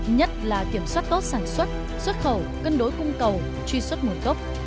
nhất là kiểm soát tốt sản xuất xuất khẩu cân đối cung cầu truy xuất mùi cốc